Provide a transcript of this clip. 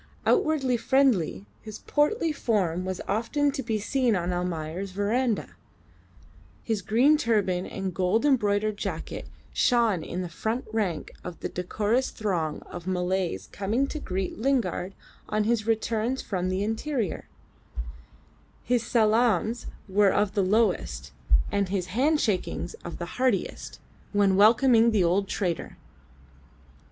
Outwardly friendly, his portly form was often to be seen on Almayer's verandah; his green turban and gold embroidered jacket shone in the front rank of the decorous throng of Malays coming to greet Lingard on his returns from the interior; his salaams were of the lowest, and his hand shakings of the heartiest, when welcoming the old trader.